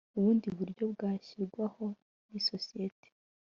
ubundi buryo bwashyirwaho n’isosiyete